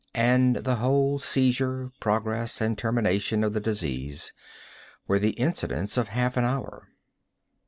And the whole seizure, progress and termination of the disease, were the incidents of half an hour.